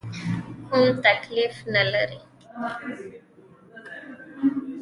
کوم تکلیف نه لرې؟